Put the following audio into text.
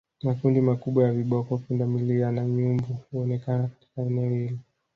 Makundi makubwa ya viboko pundamilia na nyumbu huonekana katika eneo hili